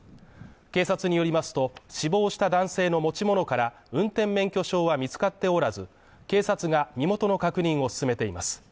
警察によりますと、死亡した男性の持ち物から、運転免許証は見つかっておらず警察が身元の確認を進めています。